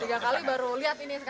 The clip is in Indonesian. tiga kali baru lihat ini sekarang